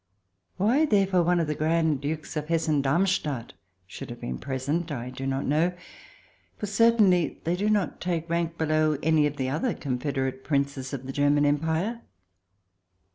Why, therefore, one of the Grand Dukes of Hessen Darmstadt should have been present I do not know, for they certainly do not take rank below any of the other confederate Princes of the German Empire.